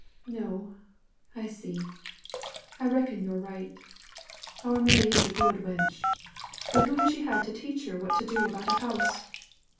"No, I see. I reckon yo're right. Our Mary's a good wench; but who has she had to teach her what to do about a house?